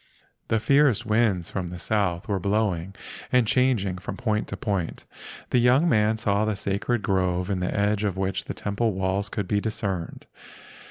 The fierce winds of the south were blowing and changing from 8 LEGENDS OF GHOSTS point to point. The young man saw the sacred grove in the edge of which the temple walls could be discerned.